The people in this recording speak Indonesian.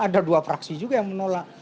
ada dua fraksi juga yang menolak